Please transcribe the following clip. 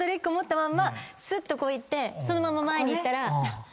すっとこう行ってそのまま前に行ったら。